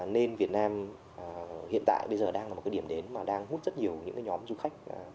nên việt nam hiện tại bây giờ đang là một cái điểm đến mà đang hút rất nhiều những nhóm du khách